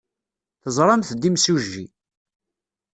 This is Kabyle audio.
Teẓramt-d imsujji.